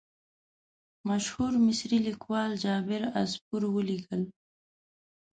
مشهور مصري لیکوال جابر عصفور ولیکل.